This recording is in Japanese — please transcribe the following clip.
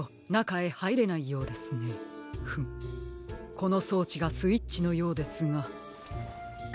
このそうちがスイッチのようですが。